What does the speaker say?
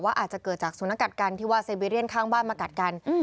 อาจจะเกิดจากสุนัขกัดกันที่ว่าเซบีเรียนข้างบ้านมากัดกัน